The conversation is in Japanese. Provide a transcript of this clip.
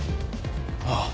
ああ